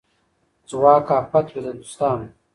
څوک آفت وي د دوستانو